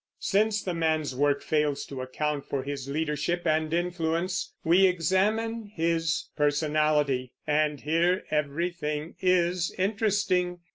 Since the man's work fails to account for his leadership and influence, we examine his personality; and here everything is interesting.